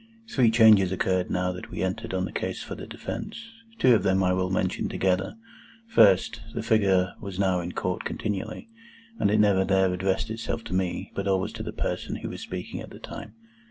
Three changes occurred now that we entered on the case for the defence. Two of them I will mention together, first. The figure was now in Court continually, and it never there addressed itself to me, but always to the person who was speaking at the time.